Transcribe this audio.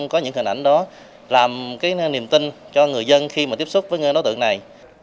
có những hình ảnh đó làm cái niềm tin cho người dân khi mà tiếp xúc với đối tượng này